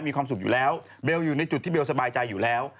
มีความสุขอยู่แล้วเบลอยู่ในจุดที่เบลสบายใจอยู่แล้ว